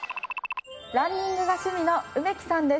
ランニングが趣味の梅木さんです。